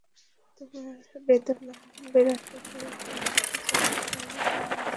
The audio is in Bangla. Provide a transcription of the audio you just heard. তোমার বেদনা বাড়াতে সম্প্রতি জানতে পারলাম তোমার স্ত্রী-পুত্র খুন হয়েছে।